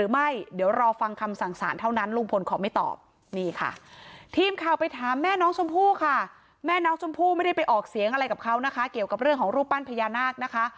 แม่น้องจมพู่ไม่ได้ไปออกเสียงอะไรกับเขานะคะเกี่ยวกับเรื่องของรูปปั้นพญานาคนะคะ